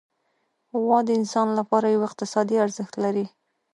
غوا د انسان لپاره یو اقتصادي ارزښت لري.